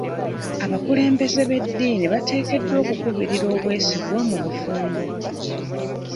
Abakulembeze b'eddiini bateekeddwa okubulirira obwesigwa mu bufumbo.